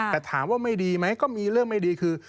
แต่ถามว่าไม่ดีไหมก็มีเรื่องไม่ดีคือ